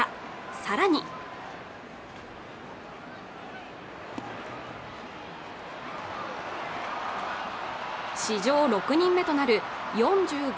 さらに史上６人目となる４５